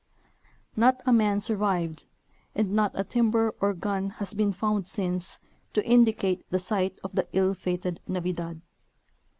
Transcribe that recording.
Not a man survived, and not a timber or gun has been found since to indicate the site of the ill fated Navidad.